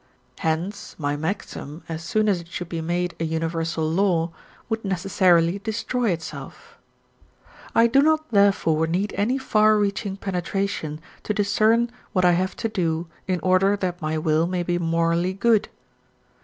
Hence my maxim, as soon as it should be made a universal law, would necessarily destroy itself. I do not, therefore, need any far reaching penetration to discern what I have to do in order that my will may be morally good.